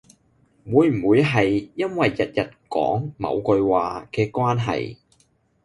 會唔會係因為日日講某句話嘅關係